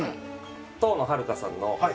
遠野遥さんの『教育』。